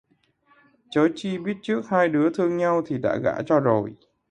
Chớ chi biết trước hai đứa thương nhau thì đã gả cho rồi